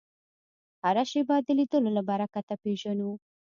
هره شېبه د لیدلو له برکته پېژنو